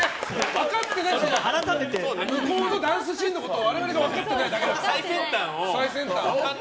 向こうのダンスシーンのことを我々が分かってないだけだから。